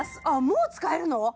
あっもう使えるの？